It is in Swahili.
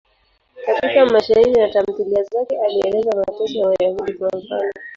Katika mashairi na tamthiliya zake alieleza mateso ya Wayahudi, kwa mfano.